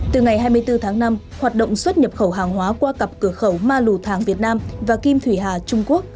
từ ngày hai mươi bốn tháng năm hoạt động xuất nhập khẩu hàng hóa qua cặp cửa khẩu ma lù thàng việt nam và kim thủy hà trung quốc